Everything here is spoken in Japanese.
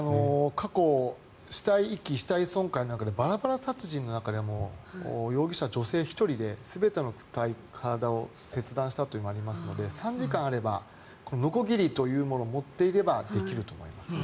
過去死体遺棄、死体損壊の中でバラバラ殺人の中でも容疑者、女性１人で全ての体を切断したというのがありますので３時間あればのこぎりというものを持っていればできると思います。